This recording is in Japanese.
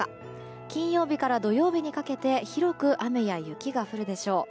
金曜日から土曜日にかけて広く雨や雪が降るでしょう。